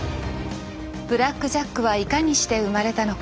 「ブラック・ジャック」はいかにして生まれたのか？